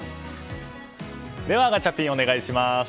では、ガチャピンお願いします。